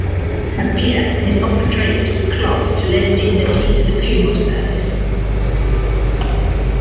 A bier is often draped with cloth to lend dignity to the funeral service.